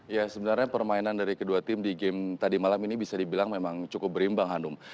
ya sebenarnya permainan dari kedua tim di game tadi malam ini bisa dibilang memang cukup berimbang hanum